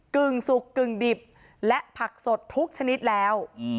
กึ่งสุกกึ่งดิบและผักสดทุกชนิดแล้ว